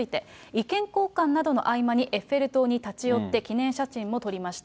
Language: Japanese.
意見交換などの合間にエッフェル塔に立ち寄って記念写真も撮りました。